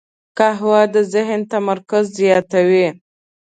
قهوه د ذهن تمرکز زیاتوي